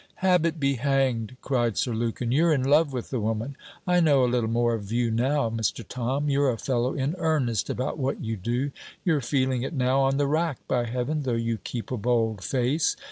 'Habit be hanged!' cried Sir Lukin. 'You're in love with the woman. I know a little more of you now, Mr. Tom. You're a fellow in earnest about what you do. You're feeling it now, on the rack, by heaven! though you keep a bold face.